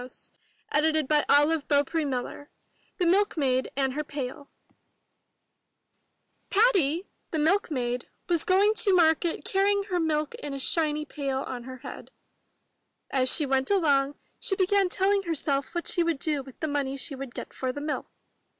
— Eugene Field 145 MY BOOK HOUSE THE MILKMAID AND HER PAIL Adapted from Aesop Patty, the milkmaid, was going to market, carrying her milk in a shiny pail on her head. As she went along, she began telling herself what she would do with the money she would get for the milk.